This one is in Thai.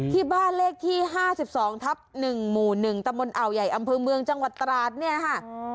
ที่บ้านเลขที่๕๒ทับ๑หมู่๑ตะมนต์อ่าวใหญ่อำเภอเมืองจังหวัดตราดเนี่ยค่ะ